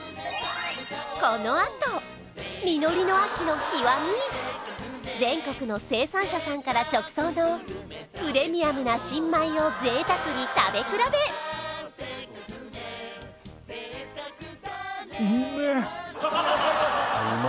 このあと実りの秋の極み全国の生産者さんから直送のプレミアムな新米をぜいたくに食べ比べうま